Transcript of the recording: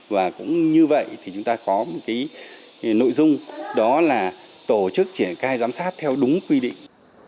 và cũng như vậy thì chúng ta có một nội dung đó là tổ chức triển khai giám sát theo đúng quy định